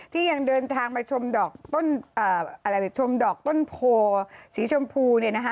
ที่ยังเดินทางมาชมดอกต้นโพลสีชมพู